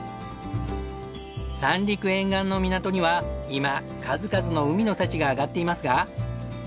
三陸沿岸の港には今数々の海の幸が揚がっていますが。